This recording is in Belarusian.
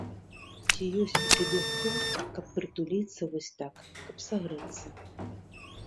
Ці ёсць у цябе хто, каб прытуліцца вось так, каб сагрэцца?